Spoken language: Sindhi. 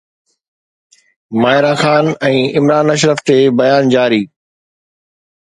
ماهره خان ۽ عمران اشرف تي بيان جاري